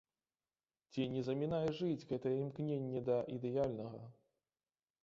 Ці не замінае жыць гэтае імкненне да ідэальнага?